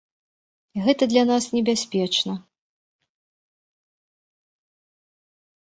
Гэта для нас небяспечна.